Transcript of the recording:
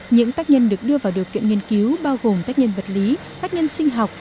những tác nhân được đưa vào điều kiện nghiên cứu bao gồm tác nhân vật lý tác nhân sinh học